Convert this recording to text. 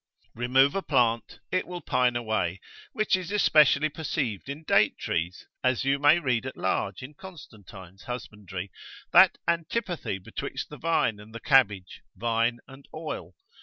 Remove a plant, it will pine away, which is especially perceived in date trees, as you may read at large in Constantine's husbandry, that antipathy betwixt the vine and the cabbage, vine and oil.